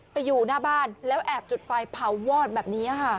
อยู่หน้าบ้านแล้วแอบจุดไฟเผาวอดแบบนี้ค่ะ